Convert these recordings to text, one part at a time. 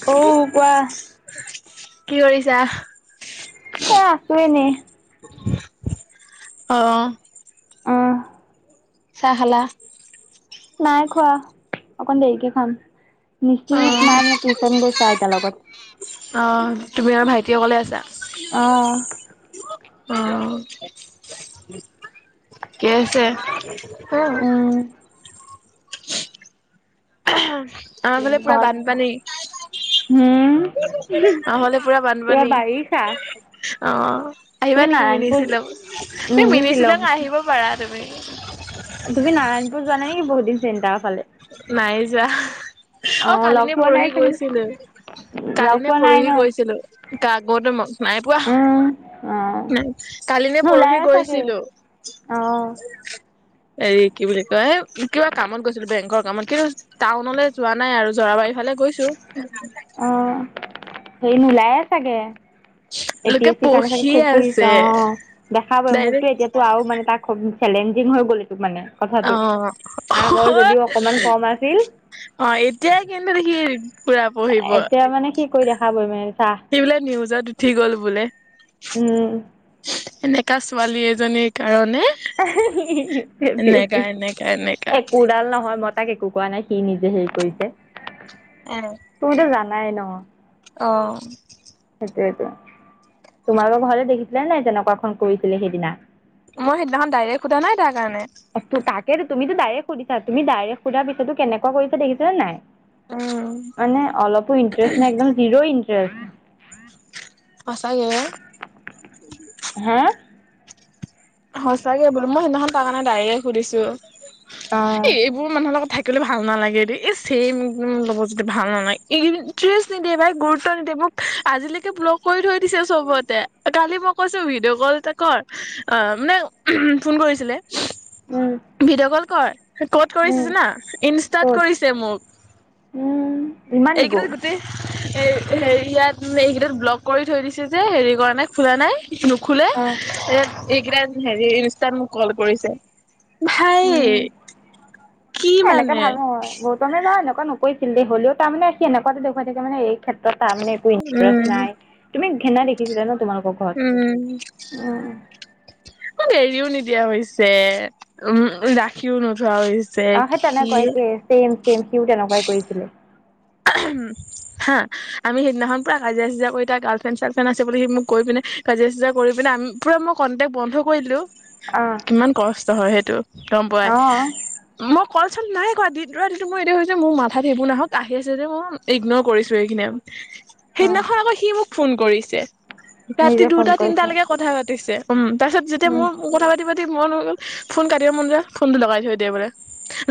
অ', কোৱা কি কৰিছা? এ আছো এনেই অ অ', চাহ খালা। নাই খোৱা অকণ দেৰিকে খাম নিকিত নাই মানে টিউশচন গৈছা আইতাৰ লগত আহ তুমি আৰু ভাইটি অকলে আছা। অ', অ থিকেই আছে। অ উম, আমাৰ ফালে পুৰা ঘৰত বানপানী হম, অহলে পুৰা বানপানী অ তুমি আহিবা নেকি মিনি নাৰায়ণপুৰ শ্বিলং তুমি মিনি শ্বিলং আহিব পাৰা তুমি তুমি নাৰায়ণপুৰ যোৱা নে নেকি বহুত দিন চেণ্টাৰ ফালে। নাই যোৱা অ কালি লগ নে পোৱা নাই পৰহি চাগে গৈছিলো কালি লগ ন পোৱা নাই পৰহি গৈছিলো তাৰ আগতে নাই পোৱা উম, অ', কালিনে পৰহি নোলায়ে চাগে গৈছিলো অ', এৰি কি বুলি কয় এ কিবা কামত গৈছিলো বেংক কামত কিন্তু টাউনলৈ যোৱা নাই আৰু জৰাবাৰী ফালে গৈছো অ হেই নোলাই চাগে [unintelligible] এ পি এছ চিৰ কাৰণে পঢ়ি খুব আছে পঢ়িছো অ দেখাবই মোকতো ডাইৰেক্ট এতিয়াতো আৰু মানে তাক খুব চেলেঞ্জিং হৈ গ'ল এইটো মানে অ কথাটো আগৰ যদিও অকমান কম আছিল অ এতিয়াই কিন্তু দেখি এতিয়া মানে সি কৰি দেখাবই মানে চা সি বুলে নিউজত উঠি গ'ল বোলে উম এনেকা ছোৱালী এজনীৰ কাৰণে এনেকা এনেকা এনেকা একোডাল নহয় মত তাক একো কোৱা নাই সি নিজে হেৰি কৰিছে। এ তুমিতো জানাই ন? অ সেইটোৱে তোমালোকৰ ঘৰলে দেখিছিলে নাই যেনেকুৱাখন কৰিছিলে সেইদিনা মই সেইদিনাখন ডাইৰেক্ট সোধা নাই তাৰ কাৰণে তাকেই তুমিতো ডাইৰেক্ট সুধিছা তুমি ডাইৰেক্ট সুধাৰ পিছতো কেনেকুৱা কৰিছে দেখিছা নে নাই উম মানে অলপো ইণ্টাৰেষ্ট নাই একদম জিৰো ইণ্টাৰেষ্ট সঁচাকে অ হা সঁচাকে বোলো মই সেইদিনাখন তাৰ কাৰণে ডাইৰেক্ট সুধিছো অ' এ এইবোৰ মানুহৰ লগত থাকি বলে ভাল নালাগে দেই ইচ্ সেই মোৰ ল'ব যদি ভাল নালাগে ইণ্টষ্ট নিদিয়ে বাই গুৰুত্ব নিদেয়ে আজিলৈকে ব্লগ কৰি থৈ দিছে চবতে কালি মই কৈছো ভিডিঅ' কল এটা কৰ অ মানে ফোন কৰিছিলে উম ভিডিঅ' কল কৰ ক'ত কৰিছে উম জানা? ইনষ্টাৰ্ট ক'ত কৰিছে মোক। উম ইমান ইগ' এইকেইদিন গোটেই হেৰি ইয়াত এইকেইটাত ব্লক কৰি থৈ দিছে যে হেৰি কৰা নাই খোলা নাই নুখোলে অ' এইকেইটা হেৰি ইনষ্টাত মোক কল কৰিছে ভাই উম এ, কি এনেকে মানে ভাল নহয় গৌতমে এনেকোৱা নকৰিছিল দে হলেও তাৰ মানে এনেকুৱাতে দেখুৱাই থাকে মানে এই ক্ষেত্ৰত তাৰ মানে একো উম নাই তুমি ঘেনা দেখিছিলা ন তোমালোক উম মই এৰিও নিদি- দিয়া হৈছে উম ৰাখিও নতুন আ সেই তেনেকোৱাই একে চেম চেম সিও তেনেকুৱাই কৰিছিলে। হা আমি সিদিনাখন পুৰা কাজিয়া চাজজিয়া কৰি তাৰ গাৰ্লফ্ৰেণ্ড চাৰ্লফ্ৰণ্ড আছে বুলি সি মোক কৈ পিনে কাজিয়া চুজা কৰি পিনে আ পুৰা মই কন্টেক্ট বন্ধ কৰি দিলো। অ' কিমান কষ্ট হয় সেইটো গম পোৱাই অ' মোক কলচোন নাই কৰা দিনটো ৰাতিটো মই এতিয়া ভাবিছো মোৰ মাথাত এইবোৰ নাহক আ- হি আছে যে মোৰ ইগনৰ কৰিছো এইখিনিঅম অ' সেইদিনাখন আকৌ সি মোক ফোন কৰিছে ৰাতি নিজে ফোন দুটা তিনটা কৰিছে লৈকে কথা পাতিছে উম তাৰ পিছত যেতিয়া উম মোৰ কথা পাতিবা মন হৈ গ'ল ফোন কাটিব মন যে ফোনটো লগাই থৈ দিয়ে বোলে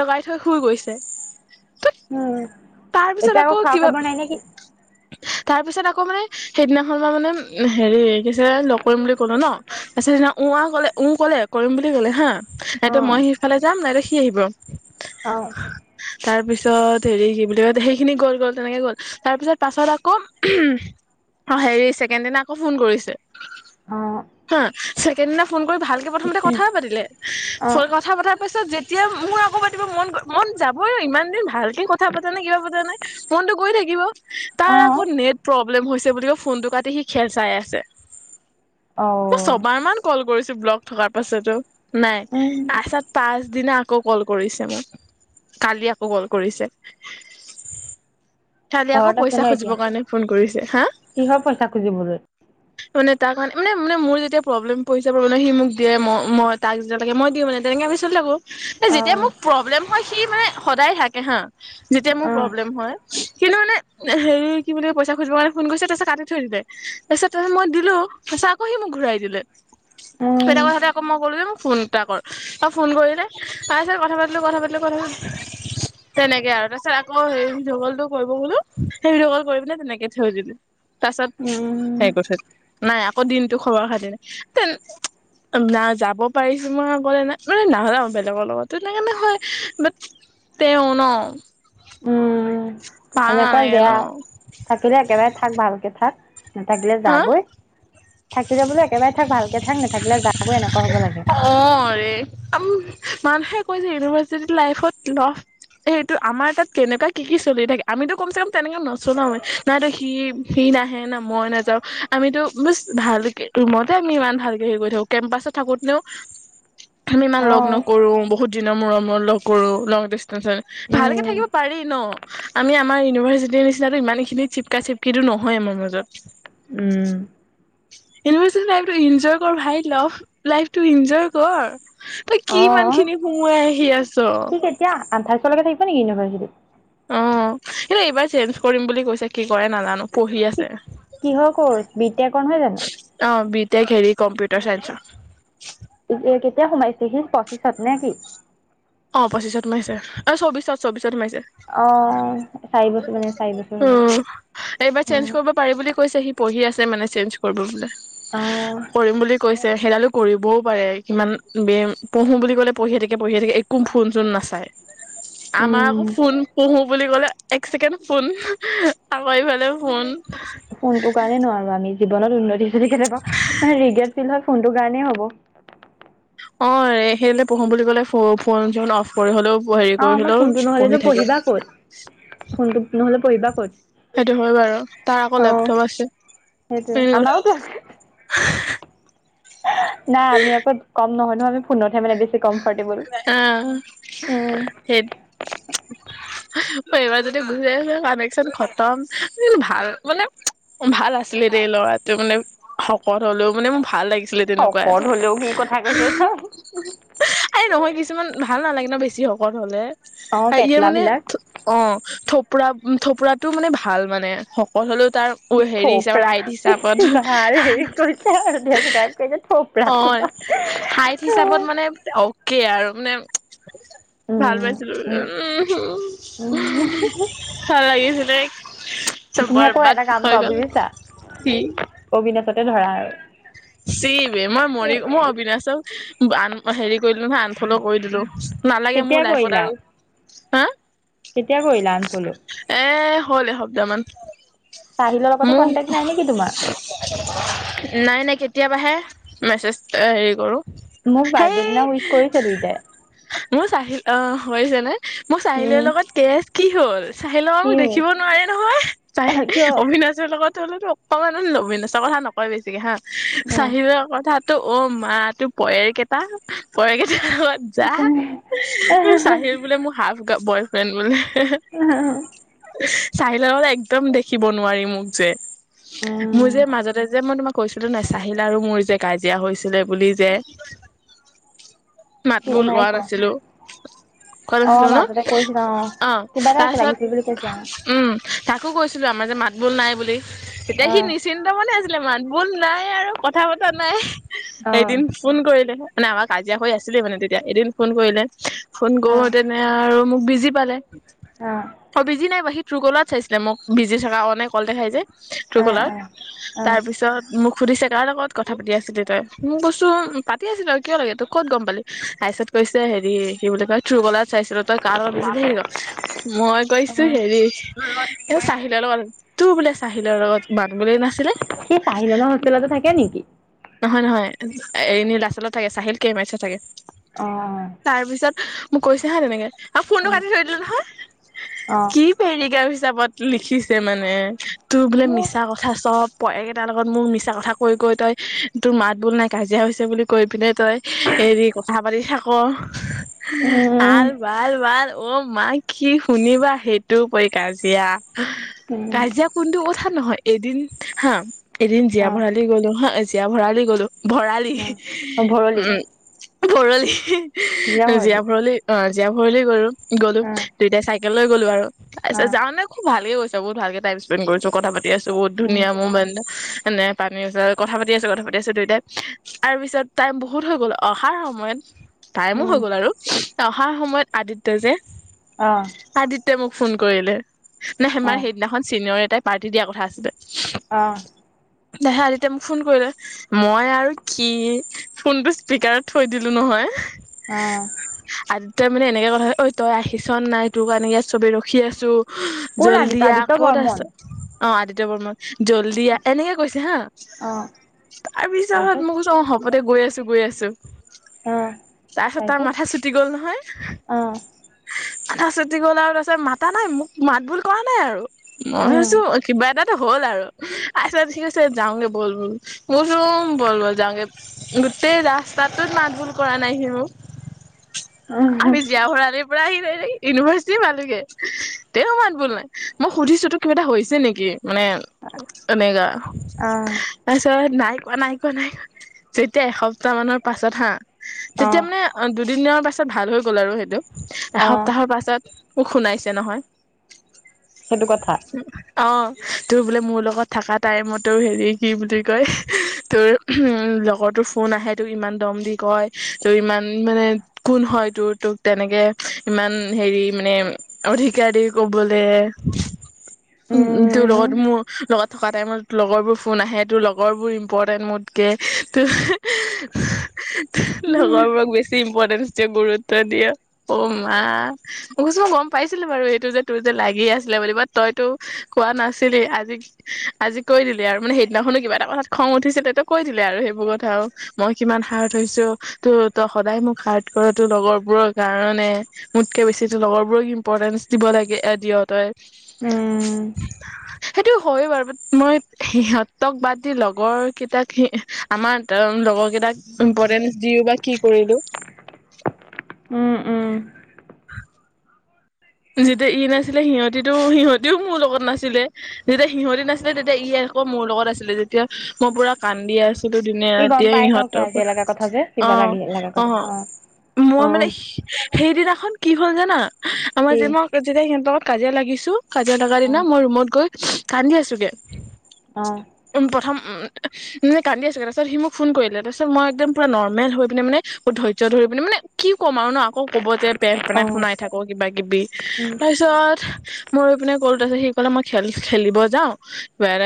লগাই থৈ শুই গৈছে [inaudible] হম তাৰ পিছত আকৌ কিবা তাৰ পিছত আকৌ মানে সেইদিনাখন মই মানে হেৰি কিছলে লগ কৰিম বুলি কলো ন সিদিনা উ আ ক'লে ও কলে কৰিম বুলি কলে হা নাইতো অ' মই সিফালে যাম নাইতো সি আহিব অ তাৰ পিছত হেৰি কি বুলি কয় সেইখিনি গল গ'ল তেনেকে গ'ল তাৰ পিছত পাছত আকৌ উম হ হেৰি ছেকেণ্ড দিনা আকৌ ফোন কৰিছে অ' হা ছেকেণ্ড দিনা ফোন কৰি কৰি ভালকৈ প্ৰথমতে কথাই পাতিলে কথা পতাত ত পিছত যেতিয়া মোৰ আকৌ পাতিব মন মন যাবই ইমান দিন ভালকেই কথা পাতা নাই কিবা ফোনটো কৰি থাকিব তাৰ অ' আকৌ অ' নেট প্ৰৱ ব্লেম হৈছে বুলি কৈ ফোনটো কাটি সি খেল চাই আছে অ মই ছবাৰ মান কল কৰিছো ব্লক থকাৰ পাছতো নাই উম আচাত পাছ দিনা আকৌ কল কৰিছে মোক কালি আকৌ কল কৰিছে। খালি আকৌ ঘৰত আছে পইচা ন এতিয়া খুজিবৰ কাৰণে ফোন কৰিছে হা। কিহৰ পইচা খুজিবলৈ মানে তাৰ কাৰণে মানে মোৰ যেতিয়া প্ৰব্লেম পইচা প্ৰব্লেম সি মোক দিয়ে, মই তাক যেতিয়া লাগে মই দি মানে তেনেকে চলিলে বাও এ অ যেতিয়া মোক প্ৰব্লেম হয় সি মানে সদায় থাকে হা যেতিয়া মোৰ অ প্ৰব্লেম হয় কিন্তু মানে হেৰি কি বুলি পইচা খুজিবৰ কাৰণে ফোন কৰিছে তাপিছত কাটি থৈ দিলে তাপিছত ত মই দিলো তাপিছত আকৌ সি মোক ঘুৰাই দিলে উম সেইটা কথাতে আকৌ মই কলো ফোন এটা কৰ ত ফোন কৰিলে আছে কথা পাতিলো কথা পালতিলো কথা পা তেনেকে আৰু। তাৰ পিছত আকৌ সেই ভিডিঅ' কলটো কৰিব কলো সেই ভিডিঅ' কল কৰি পেলাই তেনেকে থৈ দিলো। তাৰ পিছত উম হে কৈ থৈ দিলো। নাই আকৌ দিনটো খবৰ খাতি না তে না যাব পাৰিছো মই আগলে না মানে নাযাওঁ বেলেগৰ লগতো তেনেকে নহয় বাট তেওঁ ন উম ভাল এনেকুৱা নালাগে ন বেয়া থাকিলে একেবাৰে থাক ভালকে থাক। নাথাকিলে হা যাগৈ থাকিলে বোলো একেবাৰে থাক ভালকে থাক নাথাকিলে যাগৈ এনেকুৱা হ'ব লাগে অ ৰে মানুহে কৈছে ইউনিভাৰ্চিটি লাইফত লাভ সেইটো আমাৰ তাত কেনেকুৱা কি কি চলি থাকে আমিতো কমচে কম তেনেকে নচলাওে নাইতো সি সি নাহে মই নাযাও আমিতো বছ ভালকে ৰুমতে আমি ইমান ভালকে হেৰি কৰি থাকো কেম্পাচত থাকো। আমি ইমান অ লগ নকৰো বহুত দিনৰ মূৰ মূৰত লগ কৰো লং ডিচ- ভালকে উম থাকিব পাৰি ন আমি আমাৰ ইউনিভাৰ্চিটিৰ নিচিনটো ইমানখিনি চিপকা চিপকিটো নহয় আমাৰ মাজত। উম ইউনিভাৰ্ছিটি টাইমটো ইঞ্জয় কৰ ভাই লভ লাইফটো ইঞ্জয় কৰ। তই অ কি ইমান খিনি সুমুৱাই আহি আছ? নে ইউনিভাৰ্চিটি অ কিন্ত এইবাৰ চেঞ্জ কৰিম বুলি কৈছে কি কৰে নাজানো পঢ়ি সি আছে কিহৰ কৰ্চ বি টেকৰ নহয় জানো অ বিদ তেতি খে কম্পিউটাৰ চাইন্ঞ্চৰ কেতিয়া সোমাইছে সি পচি অ পঁচিছত সোমাইছে অ চৌবিশত চৌবিশ সোমাইছে অ চাৰি বছৰ মানে চাৰি বছৰ হ'ব উম একবাৰ অ চেঞ্চ কৰিব পাৰি বুলি কৈছে পঢ়ি আছে মানে চেন্স কৰিব বোলে অ কৰিম বুলি কৈ [unintelligible] সেইডালো কৰিবও পাৰে কিমান বে পঢ়ো বুলি ক'লে পঢ়িয়ে থাকে পঢ়িয়ে থাকে একো ফোন চোন নাচাই আমাৰ উম আকৌ ফোন পঢ়োঁ বুলি ক'লে এক ছেকেণ্ড ফোন আকৌ এইফালে ফোন ফোনটো কাৰণে নোৱাৰো আমি জীৱনত উন্নতি হৈছে কেতিবা মানে ৰিগ ফ হয় ফোনটোৰ কাৰণেই হব [unintelligible] অ'সেই পঢ়ো বুলি কলে ফোন চোন অফ কৰি হলেও হেৰি আমাৰ কৰিহলেও ফোনটো নহলেতো পঢ়ি থাকে পঢ়িবা ক'ত ফোনটো নহলে পঢ়িবা ক'ত সেইটো হয় বাৰু তাৰ আকৌ অ লেপটপ আছে সেইটোৱে অ আমাৰওতো আ নাই আমি আকৌ কম নহয় নহয় আমি ফোনতহে মানে বেছি কমফৰ্টেবল আহ উম সেই [unintelligible] হু এইবাৰ যদি গুচি আছো কানেকচন খতম ভাল মানে ভাল আছিলে দেই ল'ৰাটো মানে শকত হলেও মানে মোৰ ভাল লাগিছিল ছিলে শকত তেনেকুৱাটো হলেও কি কথা কৈছো চা এই নহয় কিছুমান ভাল নালাগে ন বেছি শকত হলে অ আৰু ইয়ে পেটলা মানে বিলাক অ [unintelligible] থপোৰা থপোৰাটো মানে ভাল মানে সকটহলো [unintelligible] তাৰ হেৰি হিচাপ হাইট হিচাপত অ [unintelligible] হাইত হিচাপত মানে অকে আৰু মানে ভাল উম পাইছিলো ও উম হু উম [unintelligible] ভাল লাগিছিল ব্ৰেক তুমি আকৌ এটা কাম কৰা বুজিছা অবিনাশতে ধৰা আৰু চিৱ মই এ মৰি মই অবিনাশক আন হেৰি [unintelligible] কৰি দিলো নহয় আনফলৌ কৰি দিলো নালাগে কেতিয়া মোৰ লাইফত কৰিলা আৰু হা কেতিয়া কৰিলা আনফলৌ [unintelligible] এ হ'ল এসপ্তাহমান চাহিলৰ লগতো মোৰ নাই কন্টেক্ট নেকি তোমাৰ নাই কেতি [unintelligible] কেতিয়াবাহে মেছেজ হেৰি কৰোঁ মোৰ বাৰ্থডে দিনা উইচ কৰিছে দুইটাই মোৰ চাহিল অ হৈছে ন মোৰ চাহিলৰ উম লগত কেজ কি হ'ল? চাহিলে মোক কি দেখিব নোৱাৰে নহয় চাই কিয় অবিনাশৰ লগত লেতো অকমান লবিনচৰ কথা নকয় বেছিকে হা অ চাহিলৰ কথাত [unintelligible] তো অ মা তোৰ পয়েৰ কেইটা পয়েৰ কেই [unintelligible] যা চাহিল বোলে মোৰ হাফ বয় ফ্ৰেণ্ড বোলে [unintelligible] চাহিলৰ লগত একদম দেখিব নোৱাৰি মোক যে [unintelligible] মোৰ উম যে মাজতে যে মই তোমাক কৈছিলো নাই চাহিল আৰু মোৰ যে কাজিয়া হৈছিলে বুলি যে কি মাতবোৰ নাই লোৱা কোৱা নাছিলো। [unintelligible] কত অ আছিলো ন মাজতে কৈছিলা অ কিবা এটা তাৰপিছত লাগিছিল বুলি কৈছিলা উম তাকো কৈছিলো আমাৰ যে মাত বোল নাই বুলি তেতিয়া অ সি নিশ্চিন্ত মনে আ [unintelligible] মাটবুল নাই আৰু কথা পতা নাই অ এদিন ফোন কৰিলে মানে আমাৰ কাজিয়া হৈ আছিলে মানে তেতিয়া এদিন ফোন কৰিলে ফোন অ কৰো তেনে আৰু মোক বিজি পালে। অ অ বিজি নাই ব সি তোৰুকলাৰত চাইছিলে মোক বিজি থকা অ নাই কল দেখাই যে [unintelligible] অ তোৰুকলাৰত অ তাৰপিছত মোক [unintelligible] সুধিছে কাৰ লগত কথা পাতি আছিলি তই? মোক বস্তু পাতি আছিল তই কিয় লাগে তই ক'ত গম পালি? কৈছে, হেৰি কি বুলি কয় ত্ৰুকলা চাইছিলো তই কাৰ লগত বিজি থাকে মই অ কৈছো হেৰি এই চাহিলৰ লগত। তোৰ বোলে চাহিলৰ লগত বান বোলে নাছিলে। সেই পাহি লগা হোষ্টেলতে থাকে নেকি? এ নীলাচালত থাকে চাহিল কেইমাৰছ থাকে অ তাৰ পিছত মোক কৈছে হা তেনেকে আৰু ফোনটো কাটি থৈ দিলো নহয় অ কি পেনি গে আৰু হিচাপত লিখিছে মানে। তোৰ বোলে মিছা কথা চব পঢ কেইটাৰ লগত মোক মিছা কথা কৈ কৈ তই তোৰ মাত বোল নাই কাজিয়া হৈছে বুলি কৈ পিনে তই হেৰি কথা পাতি থাক। উম আল বাল বাল অ' মাক কি শুনিবা সেইটোও পৰি কাজিয়া উম কাজিয়া কোনটো কথা নহয় এদিন হা এদিন জীয়া অ ভৰালি গ'লো হা এচিয়া ভৰালি গ'লো ভৰালি অ ভৰলি উম ভৰলি জীয়া ভৰলি অ' জীয়া ভৰলি গ'লো গ'লো অ দুইটাই চাইকেল লৈ গ'লো আৰু তাৰ পিছত অ যে জান খুব ভালকে গৈছ। বহুত ভালকে টাইম স্পেণ্ড কৰিছো কথা পাতিছো। বহুত উম ধুনীয়া মমেণ্ট তেনে পানীৰ কথা পাতি আছো কথা পাতি আছো। দুইটাইম তাৰ পিছত টাইম বহুত হৈ গ'ল অহাৰ সময়ত টাইমো হৈ উম গ'ল আৰু অহা সময়ত আদিত্যয় যে অহ তে মোক ফোন কৰিলে নে সেই মাৰ সেইদিনাখন চিনিয়ৰ এটাই পাৰ্টি দিয়া কথা আছিলে। আহ দেহা আদিত্যাই মোক ফোন কৰিলে মই আৰু কি ফোনটো স্পকাৰত থৈ দিলো নহয়। অ' তই মানে এনেকে কথা ঐ তই আহিছ নাই? তোৰ কাৰণে ইয়াত ছবি ৰখি আছো। কোন জল্দি আদিত্য আ আদিত্য কত আছ বৰ্মন অ' আদিত্য বৰ্মন জল্দিয়া এনেকে কৈছে হা অ তাৰ পিছত তাৰপিছত মই কৈছো অ' হ'ব দে গৈ আছো গৈ আছো। অ তাৰপিছত তাৰ তাৰপিছত মাথা চুটি গ'ল নহয়। অ আঠা চটি গ'ল আৰু তাৰপিছত মাতা নাই। মোক মাত বুল কৰা নাই আৰু মই ভছো কিবা এটা হ'ল আৰু আ পছত স কৈছে যাওঁগে বল বল মোৰচুম বল বল যাওঁগে গোটেই ৰাস্তাটোত মাতবোল কৰা নাই সি মোক। আমি উম জীয়া ভৰলিৰ পৰা আহি লৈ ইউনিভাৰ্চিটি পালোগে। তে মাত বল নাই মই সুধিছো তো কিবা এটা হৈছে নেকি? মানে এনেকা অ'। তাৰপিছত নাই কোৱা নাই কোৱা নাই কোৱা। যেতিয়া এসপ্তাহ মানৰ পাছত হা তেতিয়া অ', মানে দু দু দু দিনৰ পাছত ভাল হৈ গ'ল আৰু সেইটো অ', এসপ্তাহৰ পাছত মোক শুনাইছে নহয় সেইটো কথা। অ' তোৰ বোলে মোৰ লগত থকা টাইমতো হেৰি কি বুলি কয় তোৰ উ লগৰ তোৰ ফোন আহে তোক ইমান দম দি কয় তোৰ ইমান মানে কোন হয় তোৰ তোক তেনেকে ইমান হেৰি মানে অধিকাৰ দি কবলে উ তোৰ লগত উম, মোৰ লগত থকা টাইমত লগৰবোৰ ফোন আহে। তোৰ লগৰবোৰ ইম্পৰ্টেণ্ট মোত কে হু হু উম, লগৰবোৰক বেছি ইম্পৰ্টেন্ট গুৰুত্ব দিয়ে অ' মা মছ মই গম পাইছিলো। বাৰু এইটো যে তোৰ যে লাগি আছিলে বুলিব তইতো কোৱা নাছিলি। আজি আজি কৈ দিলি আৰু মানে সেইদিনাখন। কিবা এটা কথাত খং উঠিছিল। তেটো কৈ দিলে আৰু সেইবোৰ কথাও মই কিমান হাৰ্ট হৈছো। ত ত তাই মোক হাৰ্ট কৰাটো লগৰ বোৰৰ কাৰণে মোতকে বেছি তোৰ লগৰ বোৰক ইম্পৰ্টেন্স দিব লাগে। এ দিয় তই উম সেইটো হয় বাৰু মই সিহঁতক বাদ দি লগৰ কেইটাক আমাৰ লগৰ কেইটা তাক ইম্পৰ্টেন দিও বা কি কৰিলো। উম উম যেতিয়া ই নাছিলে সিহঁতিতো সিহঁতিও মোৰ লগত নাছিলে যেতিয়া সিহঁতি নাছিলে তেতিয়া ই আৰু আকৌ মোৰ লগত আছিলে যেতিয়া মই পুৰা কান্দি আছো। কিন্তু দিনে সি গম ৰাতিয়ে পাই ন ইহতৰ কিয় পৰা লগা কথা যে অ কিবা লাগি লগা - অ। কথা মই মানে অ', সেইদিনাখন কি হ'ল জানা আমাৰ কি যে মই যেতিয়া সিহতৰ লগত কাজিয়া লাগিছো কাজিয়া লগাৰ দিনা অ', মই ৰুমত গৈ কান্দি আছোগে অ', উম, প্ৰথম উম, কান্দি আছোে তাৰপাছত সি মোক ফোন কৰিলে, তাৰিছত মই একদম পুৰা নৰ্মেল হৈ পিনে মানে বহুত ধৰ্য ধৰি সেইবুলি মানে কি কম আৰু ন আকৌ কব যে পেন - পেনে অ', শুনাই থাকো কিবা কিবি উম। তাৰপিছত মোৰ ইপিনে ক'লো তাৰপিছত সি কলে মই খেল খেলিব যাও ব